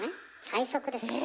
最速ですよ。